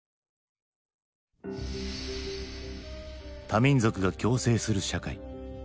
多民族が共生する社会。